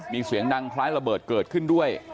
มีเสียงดังคล้ายระเบิดเกิดขึ้นด้วย